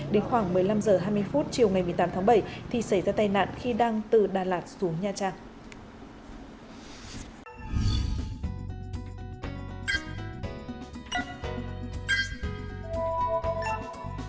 đến khoảng một mươi năm h hai mươi phút chiều ngày một mươi tám tháng bảy thì xảy ra tai nạn khi đang từ đà lạt xuống nha trang